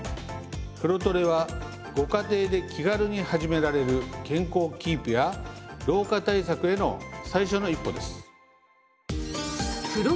風呂トレはご家庭で気軽に始められる健康キープや老化対策への最初の一歩です。